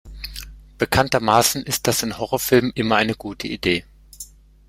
Bekanntermaßen ist das in Horrorfilmen immer eine gute Idee.